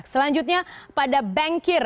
selanjutnya pada bankir